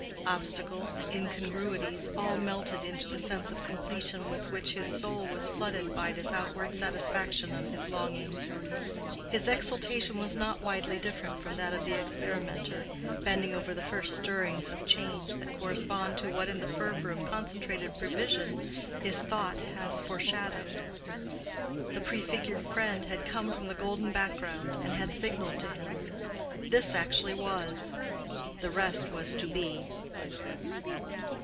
Obstacles, incongruities, all melted into the sense of completion with which his soul was flooded by this outward satisfaction of his longing. His exultation was not widely different from that of the experimenter, bending over the first stirrings of change that correspond to what in the fervor of concentrated prevision his thought has foreshadowed. The prefigured friend had come from the golden background, and had signaled to him: this actually was: the rest was to be.